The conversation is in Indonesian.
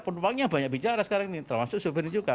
pembangunnya banyak bicara sekarang ini termasuk sopirnya juga